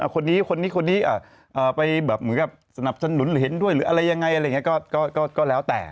คนนี้ไปสนับสนุนเห็นด้วยอะไรยังไงก็แล้วแต่